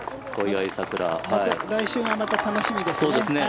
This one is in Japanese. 来週がまた楽しみですね。